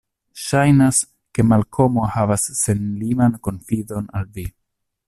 Ŝajnas, ke Malkomo havas senliman konfidon al vi.